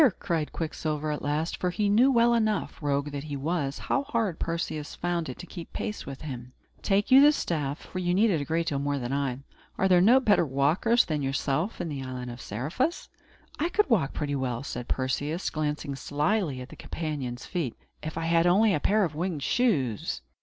cried Quicksilver, at last for he knew well enough, rogue that he was, how hard Perseus found it to keep pace with him "take you the staff, for you need it a great deal more than I. Are there no better walkers than yourself in the island of Seriphus?" "I could walk pretty well," said Perseus, glancing slyly at his companion's feet, "if I had only a pair of winged shoes."